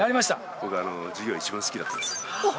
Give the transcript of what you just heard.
僕あの授業一番好きだったんですあっ